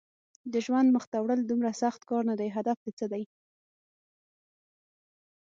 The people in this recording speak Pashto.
د ژوند مخته وړل دومره سخت کار نه دی، هدف دې څه دی؟